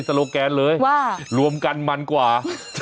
โลแกนเลยว่ารวมกันมันกว่า